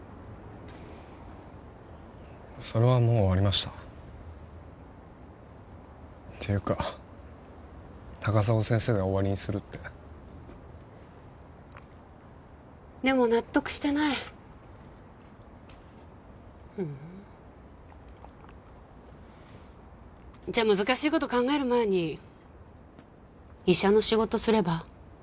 それはもう終わりましたていうか高砂先生が終わりにするってでも納得してないじゃあ難しいこと考える前に医者の仕事すれば？